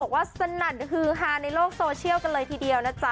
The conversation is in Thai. สนั่นฮือฮาในโลกโซเชียลกันเลยทีเดียวนะจ๊ะ